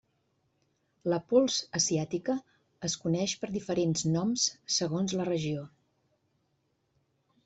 La pols asiàtica es coneix per diferents noms segons la regió.